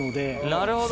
なるほど。